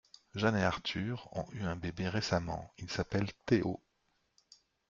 Jeanne et Arthur ont eu un bébé récemment, il s’appelle Théo.